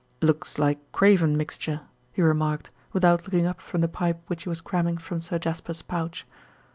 "Looks like Craven Mixture," he remarked without looking up from the pipe which he was cramming from Sir Jasper's pouch.